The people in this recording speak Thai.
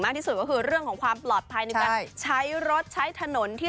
ที่สุดก็คือเรื่องของความปลอดภัยในการใช้รถใช้ถนนที่